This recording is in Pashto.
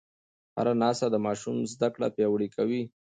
هره ناسته د ماشوم زده کړه پیاوړې کوي.